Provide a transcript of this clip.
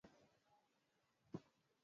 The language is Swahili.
Ugonjwa huu hausababishi vifo